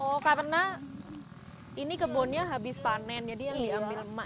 oh karena ini kebunnya habis panen jadi yang diambil ma itu yang tunasnya yang baru